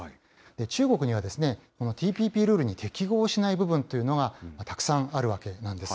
中国には、このＴＰＰルールに適合しない部分というのがたくさんあるわけなんです。